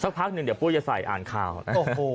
สักพักหนึ่งเดี๋ยวพวกจะใส่อ่านข่าวนะ